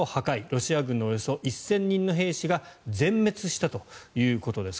ロシア軍のおよそ１０００人の兵士が全滅したということです。